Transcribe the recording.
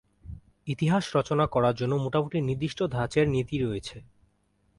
ইতিহাস রচনা করার জন্য মোটামুটি নির্দিষ্ট ধাঁচের নীতি রয়েছে।